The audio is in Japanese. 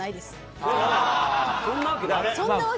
そんなわけないと。